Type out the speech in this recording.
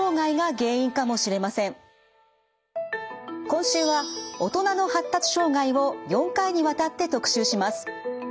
今週は大人の発達障害を４回にわたって特集します。